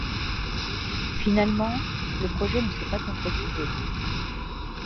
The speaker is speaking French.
Finalement le projet ne s’est pas concrétisé.